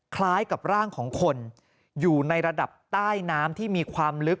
คล้ายกับร่างของคนอยู่ในระดับใต้น้ำที่มีความลึก